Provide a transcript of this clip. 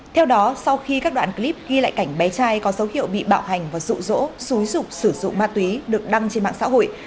theo đó sau khi các đoạn clip ghi lại cảnh bé trai có dấu hiệu bị bạo hành và rụ rỗ xúi rục sử dụng ma túy được đăng trên mạng xã hội